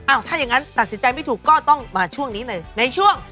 ถ้าอย่างนั้นตัดสินใจไม่ถูกก็ต้องมาช่วงนี้เลยในช่วง